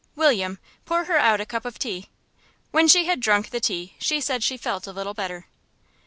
William, pour her out a cup of tea." When she had drunk the tea she said she felt a little better.